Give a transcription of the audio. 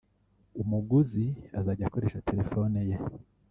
umuguzi azajya akoresha telefoni ye